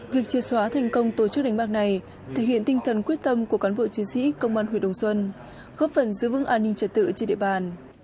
việc chia xóa thành công tổ chức đánh bạc này thể hiện tinh thần quyết tâm của cán bộ chiến sĩ công an huyện đồng xuân góp phần giữ vững an ninh trật tự trên địa bàn